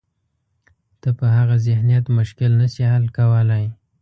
ته په هغه ذهنیت مشکل نه شې حل کولای.